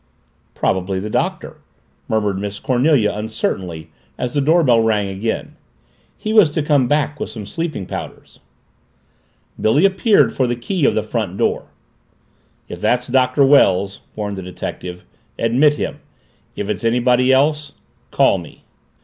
"Probably the Doctor," murmured Miss Cornelia uncertainly as the doorbell rang again. "He was to come back with some sleeping powders." Billy appeared for the key of the front door. "If that's Doctor Wells," warned the detective, "admit him. If it's anybody else, call me."